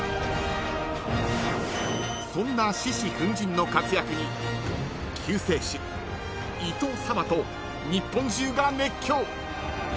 ［そんな獅子奮迅の活躍に「救世主」「伊東様」と日本中が熱狂］